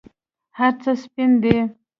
هرڅه سپین دي